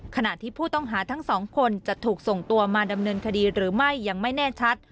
ขณะที่ผู้ต้องหาทั้งสองคนจะถูกส่งตัวมาดำเนินคดีหรือไม่ยังไม่แน่ชัด